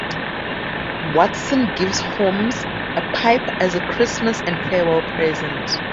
Watson gives Holmes a pipe as a Christmas and farewell present.